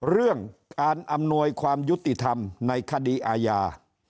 เรื่องการอำนวยความยุติธรรมในคดีอาญา